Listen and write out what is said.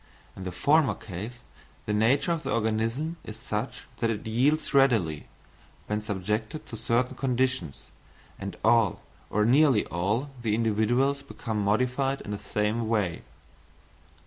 In the former case the nature of the organism is such that it yields readily, when subjected to certain conditions, and all, or nearly all, the individuals become modified in the same way.